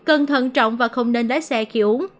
cần thận trọng và không nên lái xe khi kiểu uống